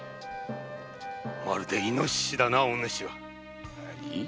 まるでイノシシだな。ナニィ